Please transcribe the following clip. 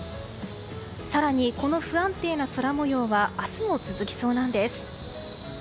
更に、この不安定な空模様は明日も続きそうなんです。